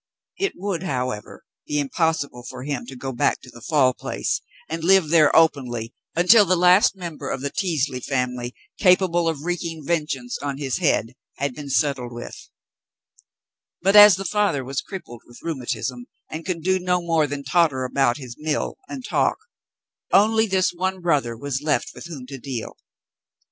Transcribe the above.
It would, however, be impossible for him to go back to the Fall Place and live there openly until the last member of the Teasley family capable of wreaking vengeance on his head had been settled with; but as the father was crippled with rheumatism and could do no more than totter about his mill and talk, only this one brother was left with whom to deal.